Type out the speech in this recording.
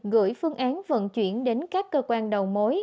gửi phương án vận chuyển đến các cơ quan đầu mối